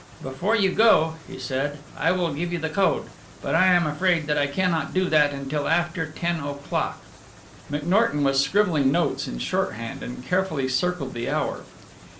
'Before you go,' he said, 'I will give you the code but I am afraid that I cannot do that until after ten o'clock.'" McNorton was scribbling notes in shorthand and carefully circled the hour.